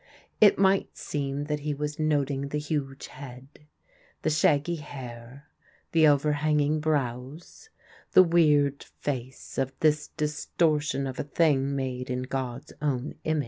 It might seem that he was noting the huge head, the shaggy hair, the overhanging brows, the weird face of this distortion of a thing made in God's own image.